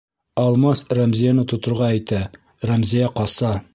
Алмас Рәмзиәне тоторға итә, Рәмзиә ҡаса.